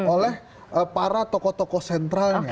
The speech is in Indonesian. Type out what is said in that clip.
oleh para tokoh tokoh sentralnya